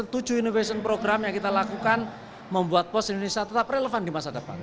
tujuh innovation program yang kita lakukan membuat pos indonesia tetap relevan di masa depan